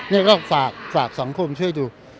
นี่ก็ฝากสังคมช่วยดู